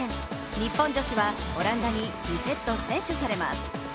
日本女子はオランダに２セット先取されます。